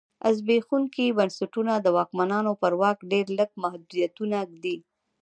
زبېښونکي بنسټونه د واکمنانو پر واک ډېر لږ محدودیتونه ږدي.